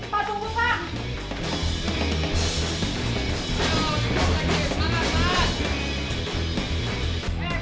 pak tunggu pak